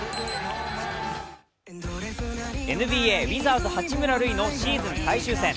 ＮＢＡウィザーズ・八村塁のシーズン最終戦。